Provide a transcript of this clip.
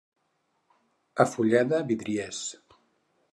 A Fulleda, vidriers.